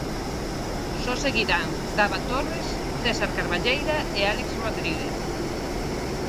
Só seguirán Dava Torres, César Carballeira e Álex Rodríguez.